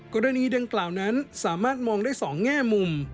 กรณีดังกล่าวนั้นสามารถมองได้๒แง่มุม